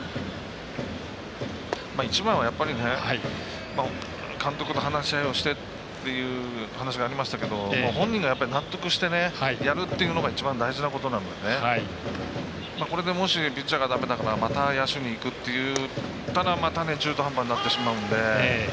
一番はやっぱり監督と話し合いをしてって話がありましたけど本人が納得してやるっていうのが一番大事なことなのでこれで、もしピッチャーがだめだったらまた野手にいくってなったらまた中途半端になってしまうので。